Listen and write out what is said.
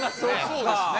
そうですね。